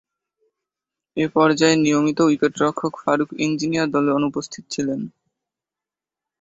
এ পর্যায়ে নিয়মিত উইকেট-রক্ষক ফারুক ইঞ্জিনিয়ার দলে অনুপস্থিত ছিলেন।